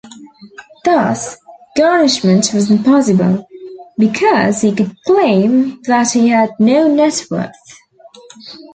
Thus, garnishment wasn't possible, because he could claim that he had no net worth.